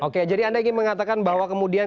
oke jadi anda ingin mengatakan bahwa kemudian